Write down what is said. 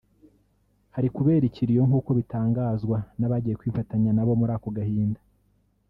hari kubera ikiriyo nkuko bitangazwa n’abagiye kwifatanya nabo muri ako gahinda